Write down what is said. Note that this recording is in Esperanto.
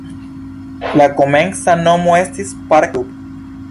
La komenca nomo estis "Park Club".